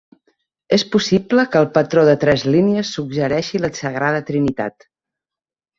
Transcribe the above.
És possible que el patró de tres línies suggereixi la Sagrada Trinitat.